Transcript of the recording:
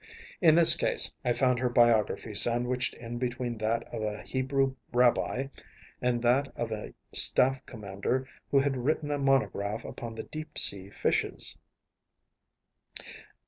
In this case I found her biography sandwiched in between that of a Hebrew rabbi and that of a staff commander who had written a monograph upon the deep sea fishes.